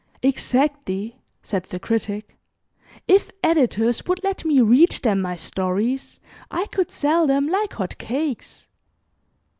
"Exactly," said the Critic, "if editors would let me read them my stories, I could sell them like hot cakes.